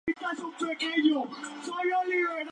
Se alimenta de semillas, larvas, arácnidos e insectos.